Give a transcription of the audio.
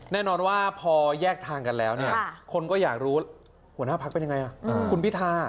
แน่นอนว่าพอแยกทางกันแล้วเนี่ยคนก็อยากรู้หัวหน้าพักเป็นยังไงคุณพิธา